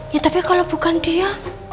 ya tapi kalau bukan dia